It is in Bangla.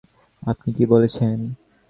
আপনি কী বলছেন?